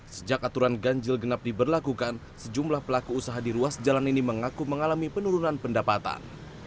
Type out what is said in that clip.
sejak aturan ganjil genap diberlakukan sejumlah pelaku usaha di ruas jalan ini mengaku mengalami penurunan pendapatan